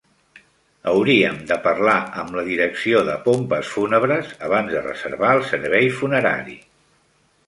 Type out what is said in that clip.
Hauríem de parlar amb la direcció de pompes fúnebres abans de reservar el servei funerari.